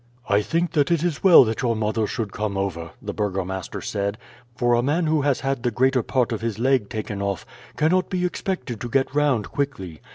"I think that it is well that your mother should come over," the burgomaster said; "for a man who has had the greater part of his leg taken off cannot be expected to get round quickly.